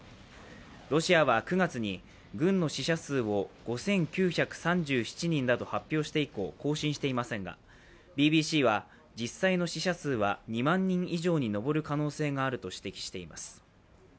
ロシアは９月に軍の死者数を５９３７人だと発表して以降、更新していませんが、ＢＢＣは実際の死者数は２万人以上に上る可能性があると指摘しています。